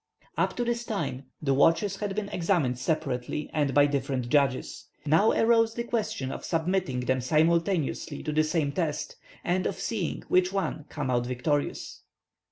Up to this time the watches had been examined separately and by different judges. Now arose the question of submitting them simultaneously to the same test, and of seeing which would come out victorious.